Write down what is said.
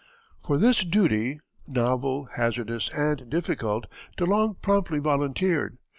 For this duty novel, hazardous, and difficult De Long promptly volunteered.